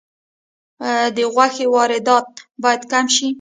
د غوښې واردات باید کم شي